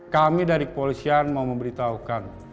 kami dari kepolisian mau memberitahukan